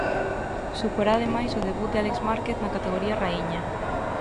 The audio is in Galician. Suporá ademais o debut de Álex Márquez na categoría raíña.